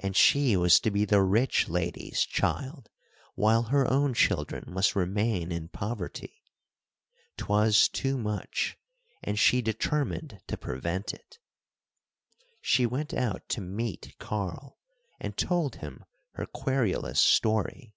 And she was to be the rich lady's child, while her own children must remain in poverty. 'Twas too much, and she determined to prevent it. She went out to meet Karl, and told him her querulous story.